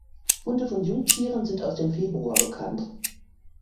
Funde von Jungtieren sind aus dem Februar bekannt.